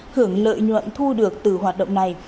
hưởng lợi nhuận thu được từ hoạt động này